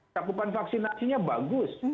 takupan vaksinasinya bagus